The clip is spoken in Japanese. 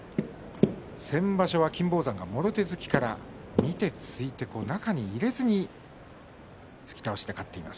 先場所は金峰山がもろ手突きから見て、突いて中に入れずに突き倒しで勝っています。